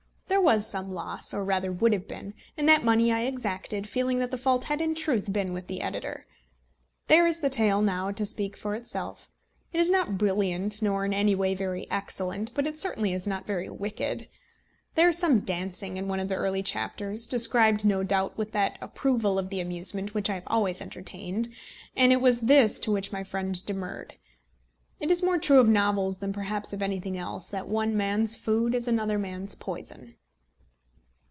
There was some loss or rather would have been and that money I exacted, feeling that the fault had in truth been with the editor. There is the tale now to speak for itself. It is not brilliant, nor in any way very excellent; but it certainly is not very wicked. There is some dancing in one of the early chapters, described, no doubt, with that approval of the amusement which I have always entertained; and it was this to which my friend demurred. It is more true of novels than perhaps of anything else, that one man's food is another man's poison.